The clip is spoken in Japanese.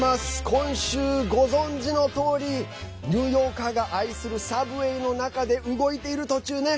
今週、ご存じのとおりニューヨーカーが愛するサブウェイの中で動いている途中ね。